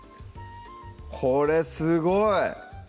これすごい！